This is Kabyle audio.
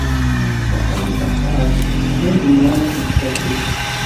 Meɣɣrit aṭas tsekkadin-a n tafukt.